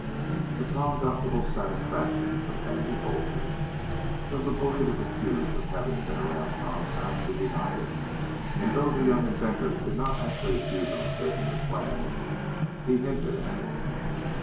But Tom got little satisfaction from Andy Foger. When that bully was accused of having been around Tom's house he denied it, and though the young inventor did not actually accuse him of taking the plans, he hinted at it.